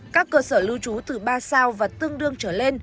các cơ sở lưu trú từ ba sao và tương đương trở lên